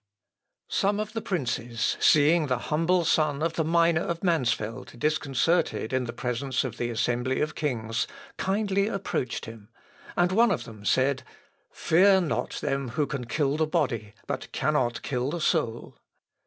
Some of the princes seeing the humble son of the miner of Mansfeld disconcerted in presence of the assembly of kings, kindly approached him; and one of them said, "_Fear not them who can kill the body, but cannot kill the soul.